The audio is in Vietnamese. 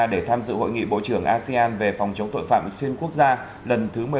để tham dự hội nghị bộ trưởng asean về phòng chống tội phạm xuyên quốc gia lần thứ một mươi ba